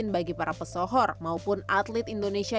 bagi para pesohor maupun atlet indonesia